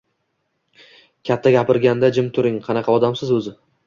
— Katta gapirganda, jim turing! Qanaqa odamsiz, o‘zi?